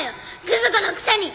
グズ子のくせに！